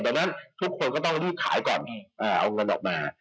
ดังนั้นทุกคนก็ต้องรีบขายก่อนเอาเงินออกมา